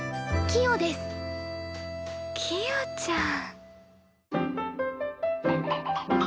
キヨちゃん。